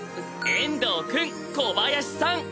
「遠藤くん小林さん」。